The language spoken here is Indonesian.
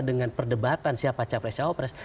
dengan perdebatan siapa capres cawapres